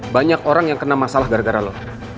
banyak orang yang kena masalah gara gara loh